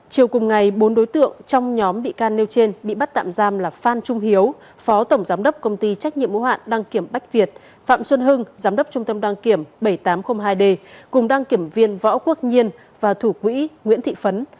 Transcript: chiều cùng ngày bốn đối tượng trong nhóm bị can nêu trên bị bắt tạm giam là phan trung hiếu phó tổng giám đốc công ty trách nhiệm mô hạn đăng kiểm bách việt phạm xuân hưng giám đốc trung tâm đăng kiểm bảy nghìn tám trăm linh hai d cùng đăng kiểm viên võ quốc nhiên và thủ quỹ nguyễn thị phấn